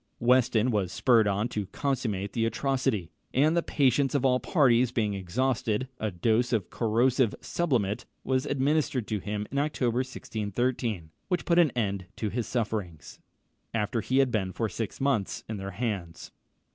Weston was spurred on to consummate the atrocity; and the patience of all parties being exhausted, a dose of corrosive sublimate was administered to him in October 1613, which put an end to his sufferings, after he had been for six months in their hands.